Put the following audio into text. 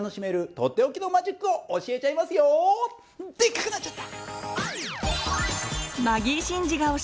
でっかくなっちゃった！